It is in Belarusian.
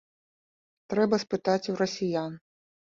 Трэба спытаць у расіян.